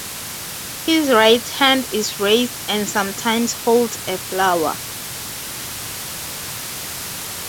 His right hand is raised and sometimes holds a flower.